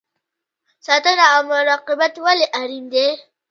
ساتنه او مراقبت ولې اړین دی؟